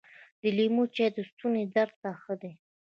د لیمو چای د ستوني درد ته ښه دي .